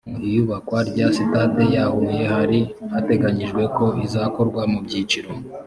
mu iyubakwa rya sitade ya huye hari hateganyijwe ko izakorwa mu byiciro